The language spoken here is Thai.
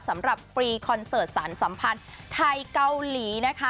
สำหรับฟรีคอนเสิร์ตสารสัมพันธ์ไทยเกาหลีนะคะ